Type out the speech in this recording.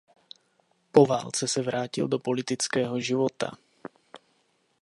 Po válce se vrátil do politického života.